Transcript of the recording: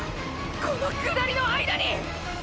この下りの間に！！